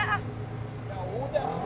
ya udah yaudah